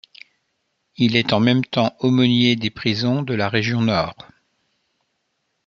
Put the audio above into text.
Il est en même temps aumônier des prisons de la Région Nord.